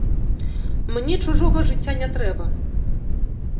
Мне чужога жыцця не трэба.